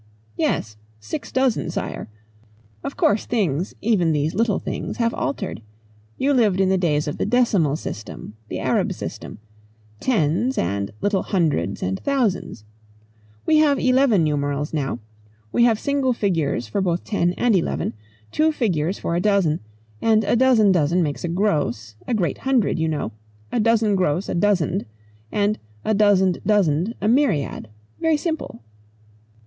"Yes. Six dozen, Sire. Of course things, even these little things, have altered. You lived in the days of the decimal system, the Arab system tens, and little hundreds and thousands. We have eleven numerals now. We have single figures for both ten and eleven, two figures for a dozen, and a dozen dozen makes a gross, a great hundred, you know, a dozen gross a dozand, and a dozand dozand a myriad. Very simple?"